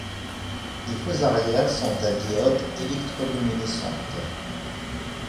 Les feux arrière sont à diodes électroluminescentes.